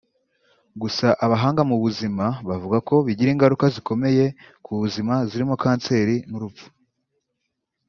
Gusa abahanga mu buzima bavuga ko bigira ingaruka zikomeye ku buzima zirimo kanseri n’urupfu